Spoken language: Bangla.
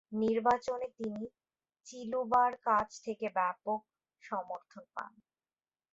নির্বাচনে তিনি চিলুবা’র কাছ থেকে ব্যাপক সমর্থন পান।